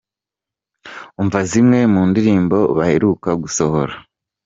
Umva zimwe mu ndirimbo baheruka gusohora :.